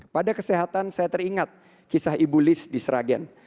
pada kesehatan saya teringat kisah ibu liz di sragen